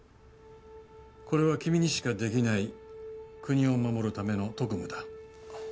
これは君にしかできない国を守るための特務だ。